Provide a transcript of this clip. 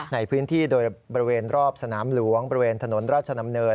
ในพื้นที่โดยบริเวณรอบสนามหลวงบริเวณถนนราชดำเนิน